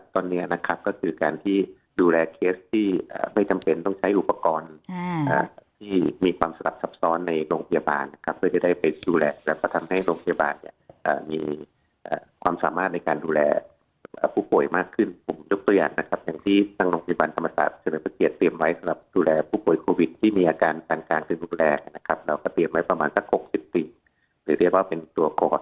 ที่มีความสลับทรัพย์ซ้อนในโรงพยาบาลนะครับเพื่อจะได้ไปดูแลแล้วก็ทำให้โรงพยาบาลเนี่ยอ่ามีอ่าความสามารถในการดูแลผู้ป่วยมากขึ้นผมยกตัวอย่างนะครับอย่างที่ทางโรงพยาบาลธรรมศาสตร์จะเป็นประเภทเตรียมไว้สำหรับดูแลผู้ป่วยโควิดที่มีอาการการการคืนดูแลนะครับเราก็เตรียมไว้ประมาณสั